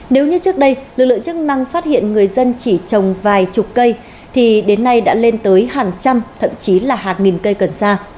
nếu như trước đây lực lượng chức năng phát hiện người dân chỉ trồng vài chục cây thì đến nay đã lên tới hàng trăm thậm chí là hàng nghìn cây cần sa